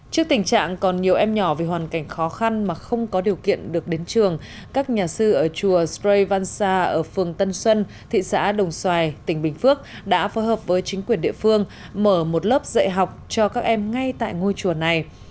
trước tình trạng còn nhiều em nhỏ vì hoàn cảnh khó khăn mà không có điều kiện được đến trường các nhà sư ở chùa sparey văn xa ở phường tân xuân thị xã đồng xoài tỉnh bình phước đã phối hợp với chính quyền địa phương mở một lớp dạy học cho các em ngay tại ngôi chùa này